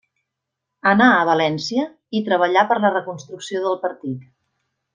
Anà a València i treballà per la reconstrucció del partit.